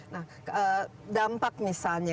nah dampak misalnya